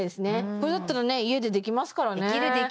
これだったらね家でできますからね